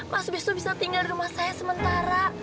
mas bistu bisa tinggal di rumah saya sementara